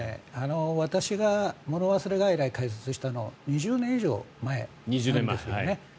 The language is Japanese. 私が物忘れ外来を開設したのは２０年以上前なんですよね。